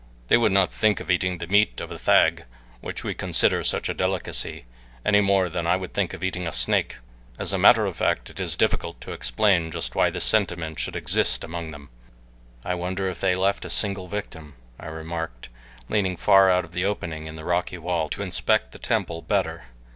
They would not think of eating the meat of a thag, which we consider such a delicacy, any more than I would think of eating a snake. As a matter of fact it is difficult to explain just why this sentiment should exist among them." "I wonder if they left a single victim," I remarked, leaning far out of the opening in the rocky wall to inspect the temple better.